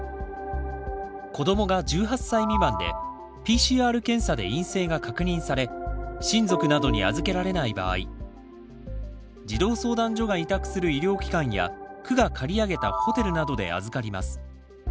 子どもが１８歳未満でＰＣＲ検査で陰性が確認され親族などに預けられない場合児童相談所が委託する医療機関や区が借り上げたホテルなどで預かります。